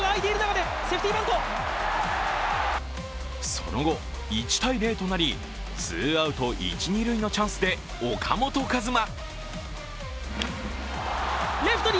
その後、１−０となり、ツーアウト一・二塁のチャンスで岡本和真。